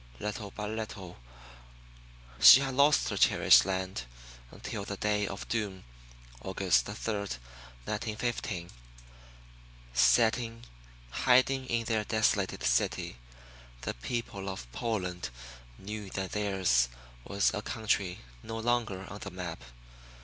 Little by little she had lost her cherished land until the day of doom August third, 1915. Sitting, hiding in their desolated city, the people of Poland knew that theirs was a country no longer on the map.